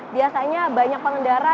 biasanya banyak pengendara